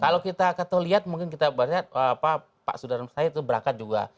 kalau kita lihat mungkin kita berhati hati pak sudirman said itu berangkat juga